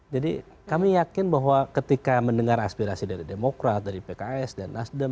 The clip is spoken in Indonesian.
jadi kami yakin bahwa ketika mendengar aspirasi dari demokrat dari pks dari nasdem